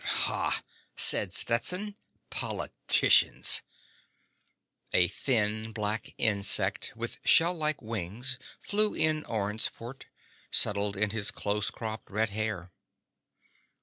"Hah!" said Stetson. "Politicians!" A thin black insect with shell like wings flew in Orne's port, settled in his close cropped red hair.